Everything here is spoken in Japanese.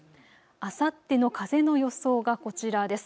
あさっての風の予想がこちらです。